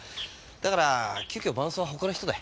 だから急きょ伴奏は他の人で。